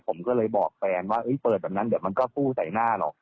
ผมก็เลยบอกแฟนว่าเปิดแบบนั้นเดี๋ยวมันก็ฟู้ใส่หน้าหรอก